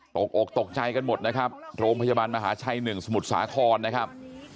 ตกอกตกใจกันหมดนะครับโรงพยาบาลมหาชัย๑สมุทรสาครนะครับ